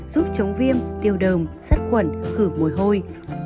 giúp chống viêm tiêu đồng sắt khuẩn khử mồi hôi